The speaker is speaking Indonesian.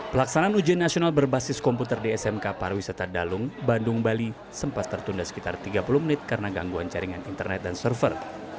pelaksanaan ujian nasional berbasis komputer di smk pariwisata dalung bandung bali sempat tertunda sekitar tiga puluh menit karena gangguan jaringan internet dan server